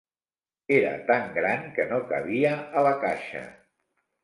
Era tan gran que no cabia a la caixa.